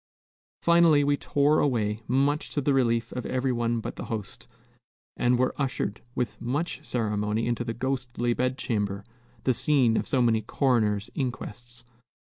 Finally, we tore away, much to the relief of every one but the host, and were ushered with much ceremony into the ghostly bed chamber, the scene of so many coroner's inquests.